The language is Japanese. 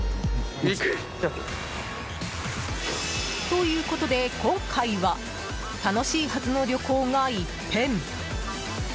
ということで、今回は楽しいはずの旅行が一変！